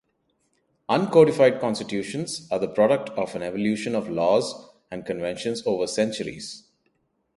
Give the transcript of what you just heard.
Uncodified constitutions are the product of an "evolution" of laws and conventions over centuries.